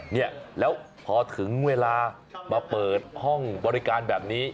เนี่ยแล้วพอถึงเวลามาเปิดห้องบริการแบบนี้